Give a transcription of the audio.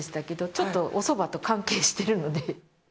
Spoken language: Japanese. ちょっとおそばと関係しているので。